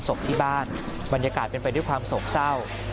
ศพที่บ้านบรรยากาศเป็นไปด้วยความโศกเศร้า